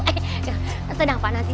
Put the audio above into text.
eh tenang pak nanti